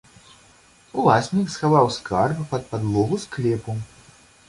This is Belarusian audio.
Уласнік схаваў скарб пад падлогу склепу.